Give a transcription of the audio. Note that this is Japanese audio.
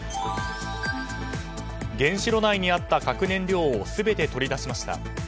原子炉内にあった核燃料を全て取り出しました。